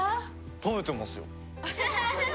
食べてますよ。